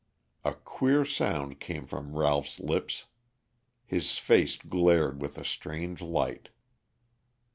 A queer sound came from Ralph's lips; his face glared with a strange light.